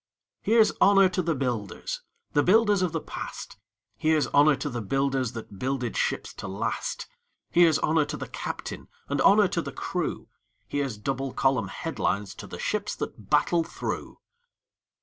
Here's honour to the builders – The builders of the past; Here's honour to the builders That builded ships to last; Here's honour to the captain, And honour to the crew; Here's double column headlines To the ships that battle through.